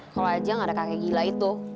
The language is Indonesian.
kalau aja gak ada kakek gila itu